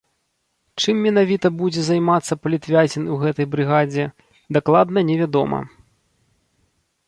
Чым менавіта будзе займацца палітвязень у гэтай брыгадзе, дакладна не вядома.